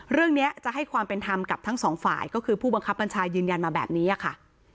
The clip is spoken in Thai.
เรื่องนี้จะให้ความเป็นธรรมกับทั้งสองฝ่ายก็คือผู้บังคับบัญชายืนยันมาแบบนี้ค่ะ